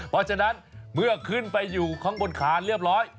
เพราะฉะนั้นเมื่อขึ้นไปอยู่ข้างบนขานเรียบร้อย